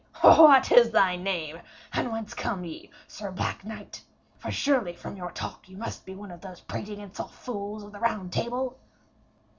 'What is thy name, and whence come ye, Sir Black Knight? For surely from your talk you must be one of those prating and soft fools of the Round Table?'